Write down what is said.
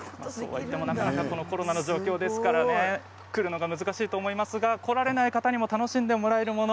このコロナの状況ですから来るのは難しいと思いますが来られない方にも楽しんでもらえるもの